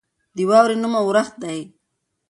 د واورې نوم اورښت دی.